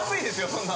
そんな。